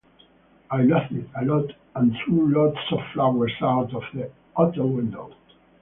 I laughed a lot and threw lots of flowers out of the hotel window.